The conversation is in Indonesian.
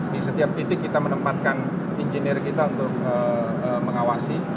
di setiap titik kita menempatkan engineer kita untuk mengawasi